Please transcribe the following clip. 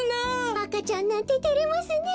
あかちゃんなんててれますねえ。